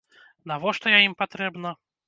Навошта я ім патрэбна?